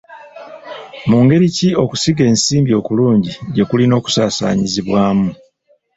Mu ngeri ki okusiga ensimbi okulungi gye kulina okusaasaanyizibwamu?